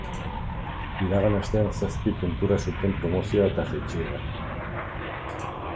Iragan astean zazpi puntura zuten promozioa eta jaitsiera.